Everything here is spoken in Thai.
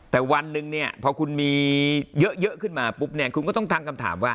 แต่วันหนึ่งเนี่ยพอคุณมีเยอะขึ้นมาปุ๊บเนี่ยคุณก็ต้องตั้งคำถามว่า